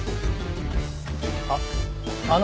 あっあの